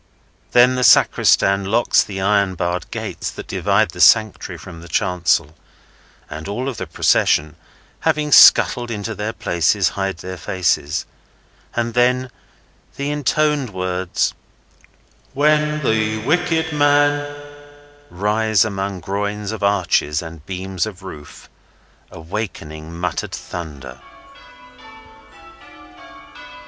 Then, the Sacristan locks the iron barred gates that divide the sanctuary from the chancel, and all of the procession having scuttled into their places, hide their faces; and then the intoned words, "WHEN THE WICKED MAN—" rise among groins of arches and beams of roof, awakening muttered thunder.